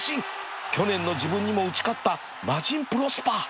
去年の自分にも打ち勝ったマジンプロスパー